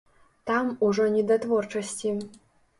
Там ужо не да творчасці.